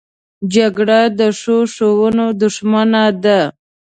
جګړه د ښو ښوونو دښمنه ده